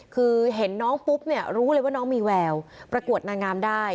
คือเห็นน้องปุ๊บเนี่ยรู้เลยว่าน้องมีแววประกวดนางงามได้